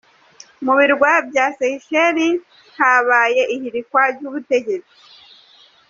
Mu birwa bya Seychelles habaye ihirikwa ry’ubutegetsi.